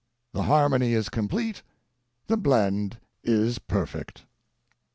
The harmony is complete, the blend is per fect.